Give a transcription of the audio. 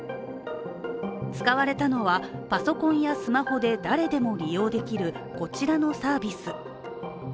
使われたのは、パソコンやスマホで誰でも利用できる、こちらのサービス。